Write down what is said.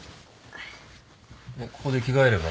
ここで着替えれば？